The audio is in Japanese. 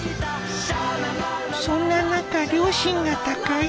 そんな中両親が他界。